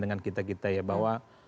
dengan kita kita ya bahwa